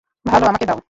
ভালো, আমাকে দাও।